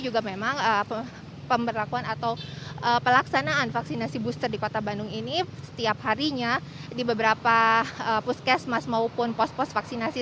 juga memang pemberlakuan atau pelaksanaan vaksinasi booster di kota bandung ini setiap harinya di beberapa puskesmas maupun pos pos vaksinasi